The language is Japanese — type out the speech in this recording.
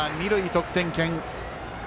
得点圏。